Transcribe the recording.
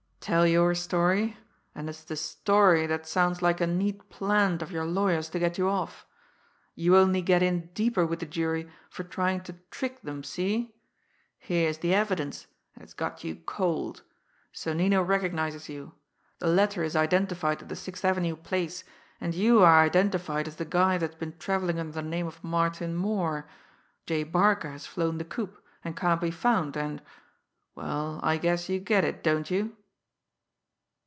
Tell your story and it's the story that sounds like a neat 'plant' of your lawyer's to get you off. You only get in deeper with the jury for trying to trick them, see? Here's the evidence and it's got you cold. Sonnino recognises you. The letter is identified at the Sixth Avenue place, and you are identified as the guy that's been travelling under the name of Martin Moore. J. Barca has flown the coop and can't be found, and well, I guess you get it, don't you?"